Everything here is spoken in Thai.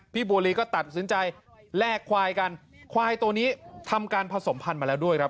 บัวลีก็ตัดสินใจแลกควายกันควายตัวนี้ทำการผสมพันธุ์มาแล้วด้วยครับ